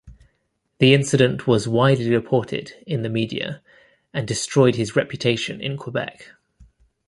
The incident was widely reported in the media and destroyed his reputation in Quebec.